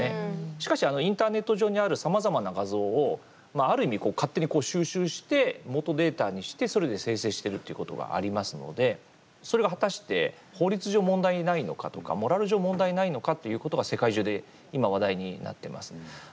しかし、インターネット上にあるさまざまな画像をある意味、勝手に収集して元データにしてそれで生成してるっていうことがありますので、それが果たして法律上問題ないのかとかモラル上問題ないのかっていうことが世界中で今、話題になってます。